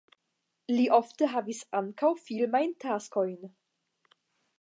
Li ofte havis ankaŭ filmajn taskojn.